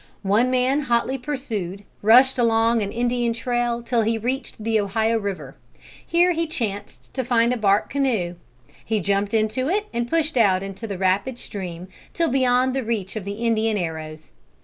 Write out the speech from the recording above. One man hotly pursued, rushed along an Indian trail till he reached the Ohio river. Here he chanced to find a bark canoe. He jumped into it and pushed out into the rapid stream till beyond the reach of the Indian arrows.